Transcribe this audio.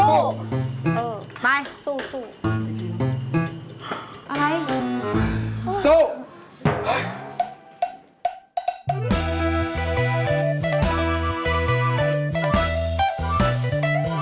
เออไปสู้สู้